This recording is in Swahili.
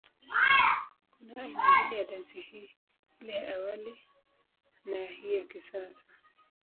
Kuna aina mbili ya dansi hii, ile ya awali na ya hii ya kisasa.